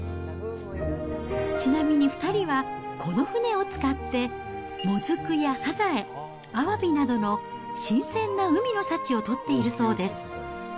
ちなみに２人は、この船を使ってモズクやサザエ、アワビなどの新鮮な海の幸を取っているそうです。